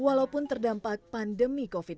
walaupun terdampak pandemi covid sembilan belas